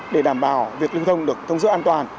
để đảm bảo việc lưu thông được thông suốt an toàn